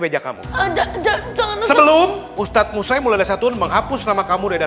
pecah kamu ada jangan sebelum ustadz musraimulaila satun menghapus nama kamu reda